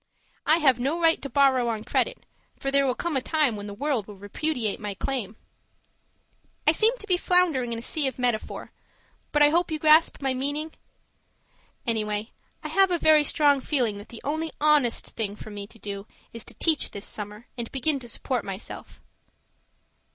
I have no right to borrow on credit, for there will come a time when the World will repudiate my claim. I seem to be floundering in a sea of metaphor but I hope you grasp my meaning? Anyway, I have a very strong feeling that the only honest thing for me to do is to teach this summer and begin to support myself.